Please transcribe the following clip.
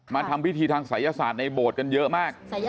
มาทำพิธีศัยศาสน์ในโบสถ์กันเยอะมาก